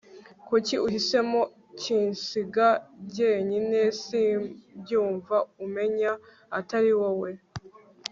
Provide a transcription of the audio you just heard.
kuki uhisemo kinsiga njyenyine simbyumva umenya atari wowe